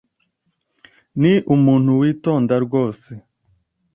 Ni umuntu witonda rwose.